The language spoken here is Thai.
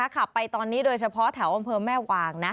ขับไปตอนนี้โดยเฉพาะแถวอำเภอแม่วางนะ